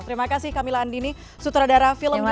terima kasih kamila andini sutradara film yuni